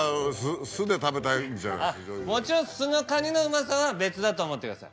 もちろん酢のカニのうまさは別だと思ってください。